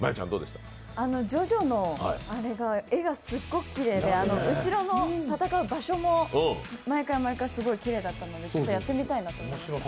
ジョジョのあれが絵がすっごくきれいで、後ろの戦う場所も毎回毎回すごいきれいだったので、ちょっとやってみたいなと思いました。